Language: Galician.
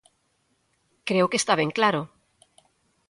Creo que está ben claro.